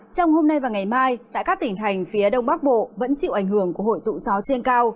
trong hôm nay và ngày mai tại các tỉnh thành phía đông bắc bộ vẫn chịu ảnh hưởng của hội tụ gió trên cao